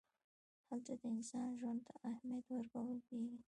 هلته د انسان ژوند ته اهمیت ورکول کېږي.